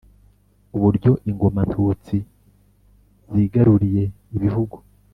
uburyo ingoma-ntutsi zigaruriye ibihugu.